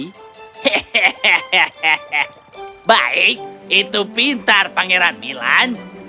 hehehe baik itu pintar pangeran milan